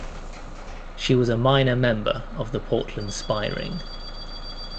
She was a minor member of the Portland Spy Ring.